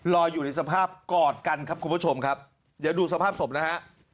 อยู่ในสภาพกอดกันครับคุณผู้ชมครับเดี๋ยวดูสภาพศพนะฮะ